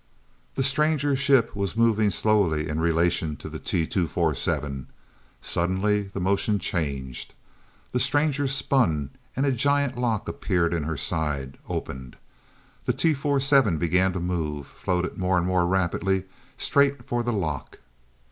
The stranger ship was moving slowly in relation to the T 247. Suddenly the motion changed, the stranger spun and a giant lock appeared in her side, opened. The T 247 began to move, floated more and more rapidly straight for the lock.